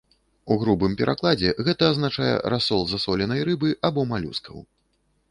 У грубым перакладзе гэта азначае расол засоленай рыбы або малюскаў.